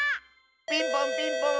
ピンポンピンポーン！